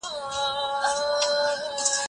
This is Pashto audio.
پاکوالي وساته،